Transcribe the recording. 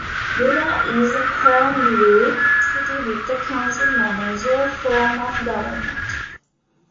Buda is a home rule city with a council-manager form of government.